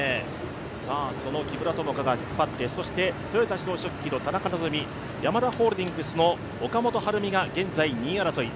その木村友香が引っ張って、そして豊田自動織機の田中希実、ヤマダホールディングスの岡本春美が現在、２位争い。